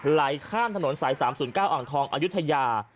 ไหลข้ามถนนสาย๓๐๙อ่างทองอายุทยา